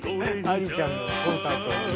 愛理ちゃんのコンサートでやりそう。